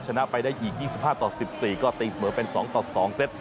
ชนะไปได้อีก๒๕ต่อ๑๔ก็ตีเสมอเป็น๒ต่อ๒เซต